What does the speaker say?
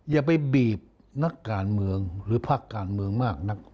อย่าไปบีบนักการเมืองหรือภาคการเมืองมากนัก